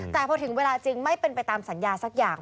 แต่พอถึงเวลาจริงไม่เป็นไปตามสัญญาสักอย่าง